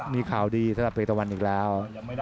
มีข่าวดีเพื่ออิตาวันอีกแล้ว